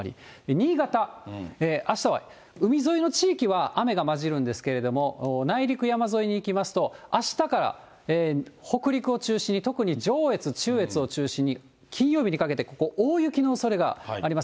新潟、あしたは海沿いの地域は雨が交じるんですけれども、内陸山沿いにいきますと、あしたから北陸を中心に、特に上越、中越を中心に、金曜日にかけてここ、大雪のおそれがあります。